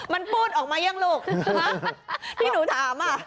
มันพูดออกมายังลูกที่หนูถามอ่ะ